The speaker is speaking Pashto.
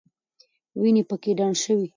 وینې پکې ډنډ شوې.